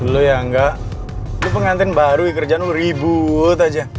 lo ya gak lo pengantin baru kerjaan lo ribut aja